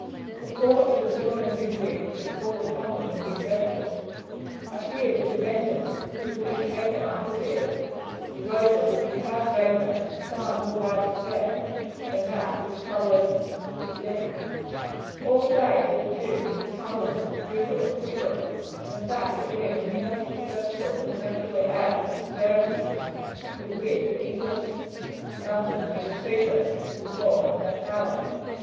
The thought of the ruin and misery which would fall upon them would be dreadful. I fear that the vengeance which will be taken after this is over will be far greater and more widespread than that which followed '15. All say that the Duke of Cumberland is brutal and pitiless, and the fact that we were nearly successful will naturally add to the severity with which the English government will treat us if we fall into their power.